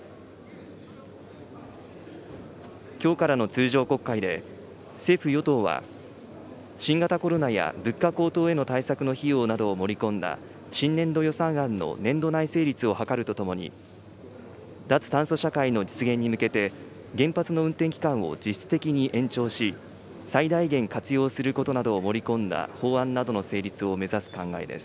きょうからの通常国会で、政府・与党は、新型コロナや物価高騰への対策の費用などを盛り込んだ新年度予算案の年度内成立を図るとともに、脱炭素社会の実現に向けて、原発の運転期間を実質的に延長し、最大限活用することなどを盛り込んだ法案などの成立を目指す考えです。